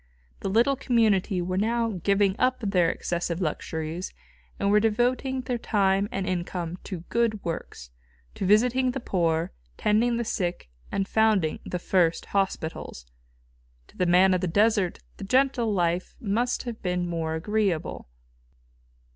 The little community were now giving up their excessive luxuries and were devoting their time and income to good works, to visiting the poor, tending the sick and founding the first hospitals. To the man of the desert the gentle life must have been more agreeable.